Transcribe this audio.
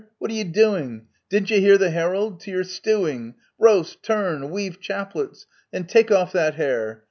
What are you doing ? Didn't you hear the herald ? To your stewing ! Roast ! Turn ! Weave chaplets ! and take off that hare